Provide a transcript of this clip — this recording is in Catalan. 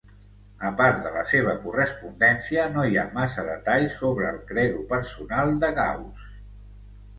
Apart de la seva correspondència, no hi ha massa detalls sobre el credo personal de Gauss.